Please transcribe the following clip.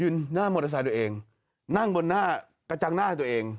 หน้ามอเตอร์ไซค์ตัวเองนั่งบนหน้ากระจังหน้าตัวเอง